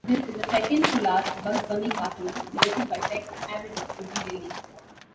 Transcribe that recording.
This is the second-to-last Bugs Bunny cartoon directed by Tex Avery to be released.